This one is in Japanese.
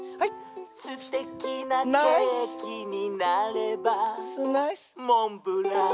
「すてきなケーキになればモンブラン！」